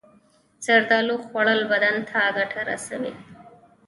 زردالو خوړل بدن ته ګټه رسوي.